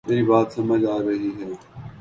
میری بات سمجھ آ رہی ہے